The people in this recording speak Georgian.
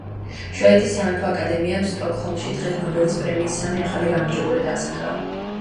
შვედეთის სამეფო აკადემიამ სტოკჰოლმში დღეს ნობელის პრემიის სამი ახალი გამარჯვებული დაასახელა.